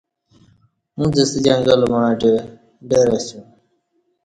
اݩڅ ستہ جنگل وعݩتے ڈر اسیوم۔